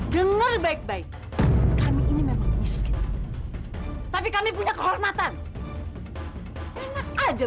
denger baik baik kami ini memang miskin tapi kami punya kehormatan enak aja bapak ngomong fajar dia membuat vieleh yang membenci saya yang seperti ini